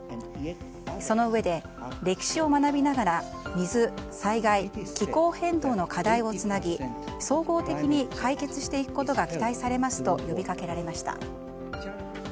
そのうえで、歴史を学びながら水、災害、気候変動の課題をつなぎ総合的に解決していくことが期待されますと呼びかけられました。